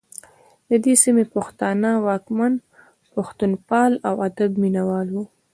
د دې سیمې پښتانه واکمن پښتوپال او د ادب مینه وال وو